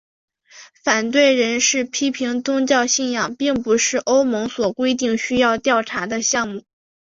反对人士批评宗教信仰并不是欧盟所规定需要调查的项目。